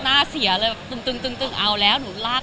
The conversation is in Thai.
ต้องพลาด